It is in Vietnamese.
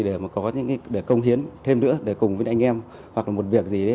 để có những công hiến thêm nữa để cùng với anh em hoặc là một việc gì đấy